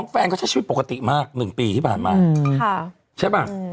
แฟนก็ใช้ชีวิตปกติมาก๑ปีที่ผ่านมาใช่ป่ะ